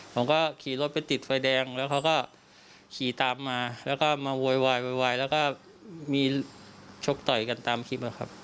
ผมก็ขี่รถไปติดไฟแดงแล้วเขาก็ขี่ตามมาแล้วก็มาโวยวายโวยวายแล้วก็มีชกต่อยกันตามคลิปนะครับ